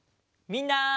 みんな！